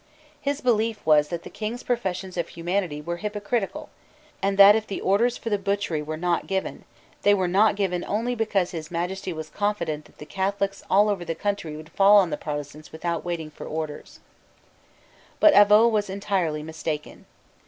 His belief was that the King's professions of humanity were hypocritical, and that, if the orders for the butchery were not given, they were not given only because His Majesty was confident that the Catholics all over the country would fall on the Protestants without waiting for orders, But Avaux was entirely mistaken.